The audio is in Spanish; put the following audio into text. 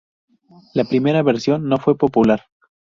La primera versión no fue popular.